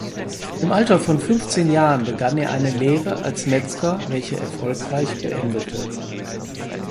Im Alter von fünfzehn Jahren begann er eine Lehre als Metzger welche erfolgreich beendete.